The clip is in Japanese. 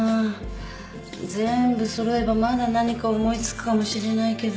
全部揃えばまだ何か思い付くかもしれないけど。